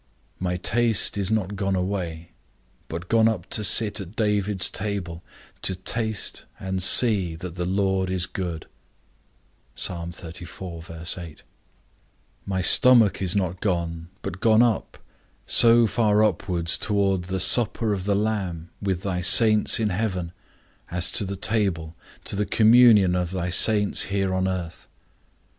My taste is not gone away, but gone up to sit at David's table, to taste, and see, that the Lord is good. My stomach is not gone, but gone up, so far upwards toward the supper of the Lamb, with thy saints in heaven, as to the table, to the communion of thy saints here in earth.